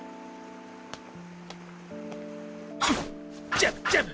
ジャブジャブ！